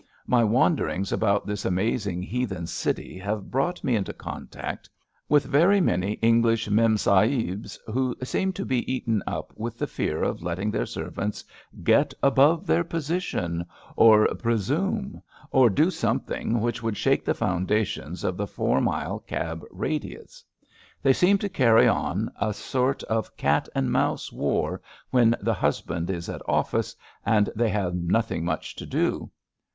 My wander ings about this amazing heathen city have brought me into contact with very many English mem sahibs who seem to be eaten up with the fear of letting their servants get above their position,'* or presume," or do something which would shake the foundations of the four mile cab radius. They seem to carry on a sort of cat and mouse war when the husband is at oflfice and they have THE NEW DISPENSATION— I 285 nothing much to do.